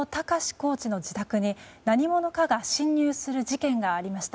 コーチの自宅に何者かが侵入する事件がありました。